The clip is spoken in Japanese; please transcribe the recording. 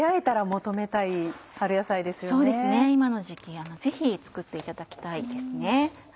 そうですね今の時期ぜひ作っていただきたいですね。